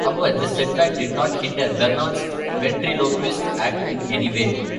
However, this setback did not hinder Vernon's ventriloquist act in any way.